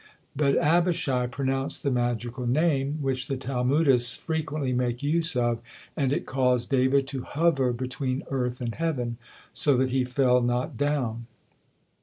But Abishai pronounced the magical name, which the Talmudists frequently make use of, and it caused David to hover between earth and heaven, so that he fell not down!